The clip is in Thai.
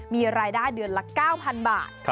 มีรายได้เดือนละ๙๐๐บาท